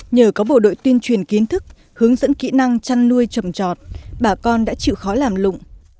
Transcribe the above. nhờ có bộ đội tuyên truyền kiến thức hướng dẫn kỹ năng chăn nuôi trầm trọt bà con đã chịu khó làm lụng